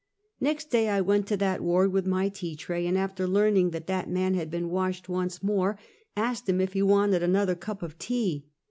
Next day I went to that ward with my tea tray; and after learning that that man had been washed once more, asked him if he wanted another cup of tea.